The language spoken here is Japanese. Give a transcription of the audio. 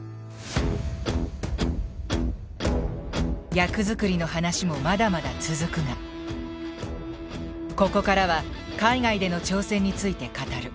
役作りの話もまだまだ続くがここからは海外での挑戦について語る。